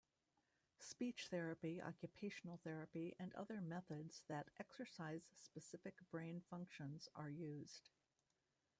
Speech therapy, occupational therapy, and other methods that "exercise" specific brain functions are used.